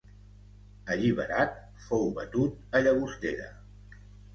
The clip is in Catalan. Alliberat, fou batut a Llagostera.